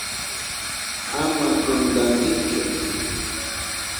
Ama kunkankichu.